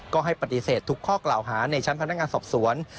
ก็ให้ปฏิเสธทุกข้อกล่าวหาในชั้นพนักงานสอบสวน